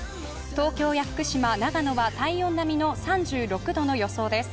東京や福島、長野は体温並みの３６度の予想です。